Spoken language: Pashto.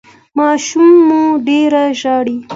ماشوم مو ډیر ژاړي؟